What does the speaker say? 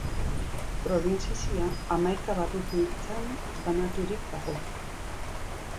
Probintzia hamaika barrutitan banaturik dago.